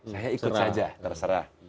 saya ikut saja terserah